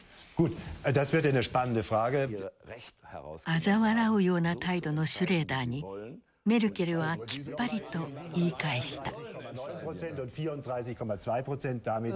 あざ笑うような態度のシュレーダーにメルケルはきっぱりと言い返した。